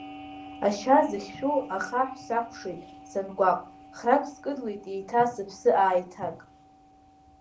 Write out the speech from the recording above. Ашьа зыхьшәу ахаҳә сакәшеит сангәаҟ, храк скыдлеит еиҭа, сыԥсы ааиҭак.